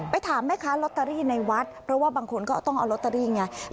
ถามแม่ค้าลอตเตอรี่ในวัดเพราะว่าบางคนก็ต้องเอาลอตเตอรี่ไง